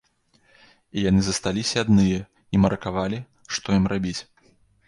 І яны засталіся адныя і маракавалі, што ім рабіць.